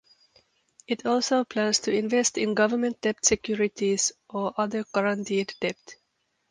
It also plans to "invest in government debt securities or other guaranteed debt".